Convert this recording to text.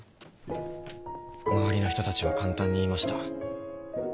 周りの人たちは簡単に言いました。